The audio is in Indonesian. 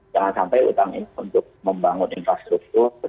jangan sampai utang ini untuk membangun infrastruktur